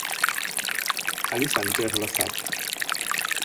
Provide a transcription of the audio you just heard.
อลิสันเจอโทรศัพท์